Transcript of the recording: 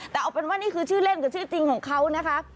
แต่เอาเป็นว่านี่คือชื่อเล่นกับชื่อจริงของเขานะคะ